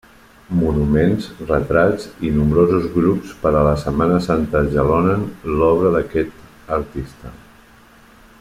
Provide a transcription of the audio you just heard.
Monuments, retrats i nombrosos grups per a la Setmana Santa jalonen l'obra d'aquest artista.